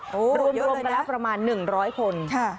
โอ้โหเยอะเลยนะรวมรวมไปแล้วประมาณหนึ่งร้อยคนค่ะ